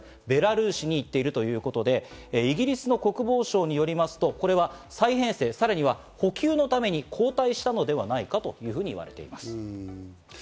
ベラルーシに行っているということで、イギリスの国防省によりますと、これは再編成、補給のために後退したのではないかといわれています。